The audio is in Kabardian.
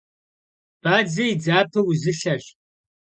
Badze yi dzape vuzılheş.